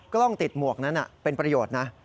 กล้องติดหมวกนั้นเป็นประโยชน์นะ